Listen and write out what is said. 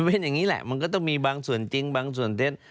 เป็นอย่างนี้แหละมันก็ต้องมีบางส่วนจริงบางส่วนเท็จ